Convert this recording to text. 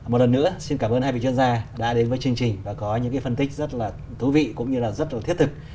một lần nữa xin cảm ơn hai vị chuyên gia đã đến với chương trình và có những phân tích rất là thú vị cũng như là rất là thiết thực